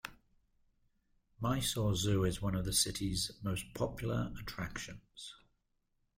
Mysore Zoo is one of the city's most popular attractions.